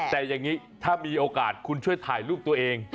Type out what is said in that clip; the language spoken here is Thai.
แต่อย่างนี้ถ้ามีโอกาสคุณช่วยถ่ายรูปตัวเอง